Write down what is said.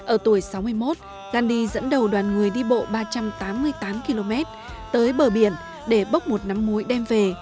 ở tuổi sáu mươi một gandhi dẫn đầu đoàn người đi bộ ba trăm tám mươi tám km tới bờ biển để bốc một nắm mối đem về